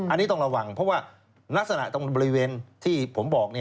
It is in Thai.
อันนี้ต้องระวังเพราะว่าลักษณะตรงบริเวณที่ผมบอก